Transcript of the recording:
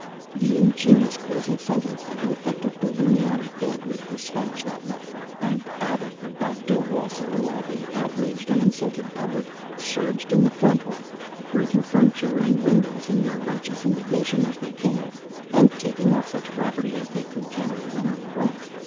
The ingenious closing sentence had the effect of moving me out of bed with despatch that night, and out at the back door also, while the "outraged and insulted public" surged in the front way, breaking furniture and windows in their righteous indignation as they came, and taking off such property as they could carry when they went.